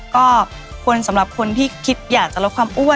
ก็ควรสำหรับคนที่คิดอยากจะลดความอ้วน